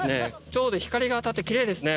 ちょうど光が当たってきれいですね